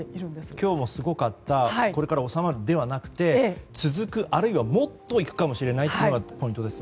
今日もすごかったこれからは収まるではなくて続く、あるいはもっといくかもしれないというのがポイントですね。